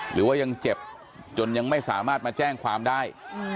หรือว่ายังเจ็บจนยังไม่สามารถมาแจ้งความได้